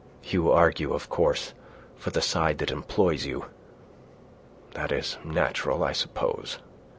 "You argue, of course, for the side that employs you. That is natural, I suppose."